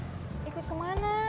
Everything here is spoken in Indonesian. ikut ke mana